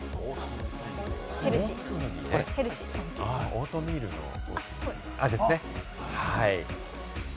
オートミールのことですね。